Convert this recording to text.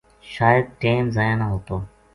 شاید ٹیم ضائع نہ ہوتو